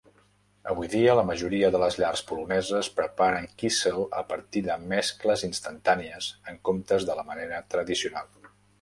Avui dia, la majoria de les llars poloneses preparen "kissel" a partir de mescles instantànies en comptes de la manera tradicional.